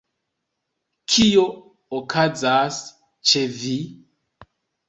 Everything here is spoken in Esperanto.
Kio okazas ĉe vi?